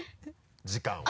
時間を。